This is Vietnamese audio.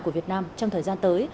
của việt nam trong thời gian tới